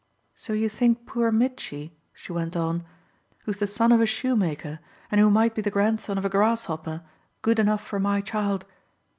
So you think poor Mitchy," she went on, "who's the son of a shoemaker and who might be the grandson of a grasshopper, good enough for my child."